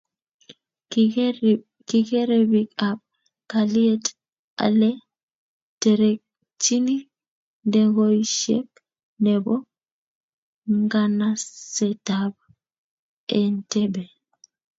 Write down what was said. kiker ribik ab kalyet oleterekchini ndegoishike nebo nganasetab Entebbe